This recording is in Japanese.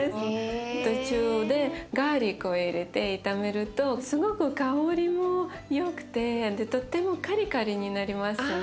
途中でガーリックを入れて炒めるとすごく香りもよくてとってもカリカリになりますね。